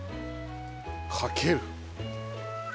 かける。